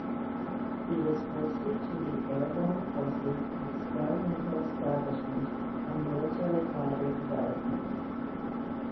He was posted to the Airborne Forces Experimental Establishment on military glider development.